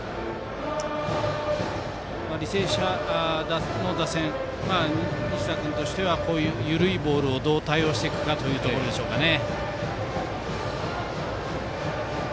履正社の打線、西田君としてはこういう緩いボールをどう対応していくかというところでしょうかね。